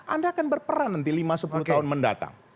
anda akan berperan nanti lima sepuluh tahun mendatang